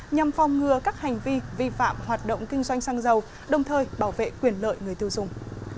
nhằm phòng ngừa các hành vi vi phạm hoạt động kinh doanh xăng dầu đồng thời bảo vệ quyền lợi người tiêu dùng